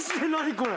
これ。